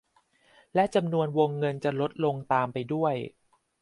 และจำนวนวงเงินจะลดลงตามไปด้วย